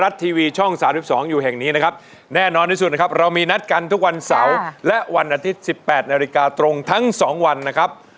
สวัสดีครับคุณผู้ชมทั่วประเทศเลยนะครับ